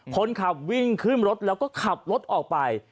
คนขับวิ่งขึ้นรถแล้วก็ขับรถออกไป